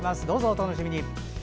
どうぞ、お楽しみに。